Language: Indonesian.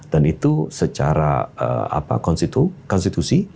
dan itu secara konstitusi